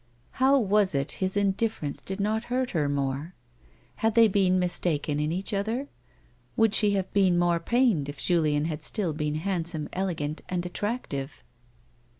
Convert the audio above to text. How was it his indifference did not hurt her more ? Had they been mis taken in each other 1 Would she haA'e been more pained if Julien had still been handsome, elegant and attractive?